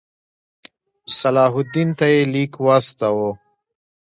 صلاح الدین ته یې لیک واستاوه.